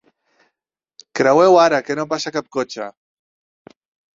Creueu ara, que no passa cap cotxe.